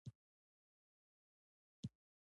غوړه څېرۍ ښوون چناررنګی غرني ونې دي.